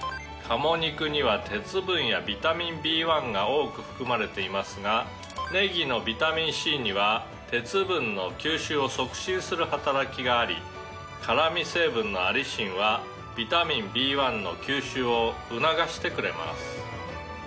「鴨肉には鉄分やビタミンＢ１が多く含まれていますがねぎのビタミンＣには鉄分の吸収を促進する働きがあり辛み成分のアリシンはビタミンＢ１の吸収を促してくれます」